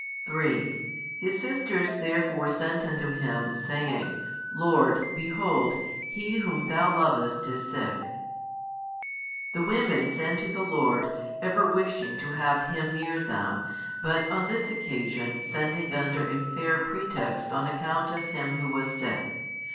3 His sisters therefore sent unto Him, saying, Lord, behold, he whom Thou lovest is sick. The women send to the Lord, ever wishing to have Him near them, but on this occasion sending under a fair pretext on account of him who was sick.